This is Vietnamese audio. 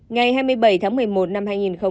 ngày hai mươi bảy tháng một mươi một năm hai nghìn